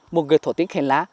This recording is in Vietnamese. một người thổ tiếng khen lá